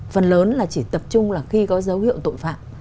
phần lớn là chỉ tập trung là khi có dấu hiệu tội phạm